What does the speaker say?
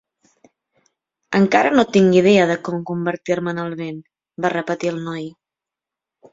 "Encara no tinc idea de com convertir-me en el vent", va repetir el noi.